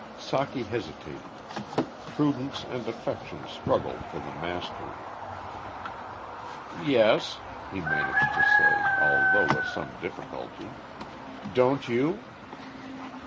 Socky hesitated. Prudence and affection struggled for the mastery. "Yes," he managed to say, although with some difficulty. "Don't you?"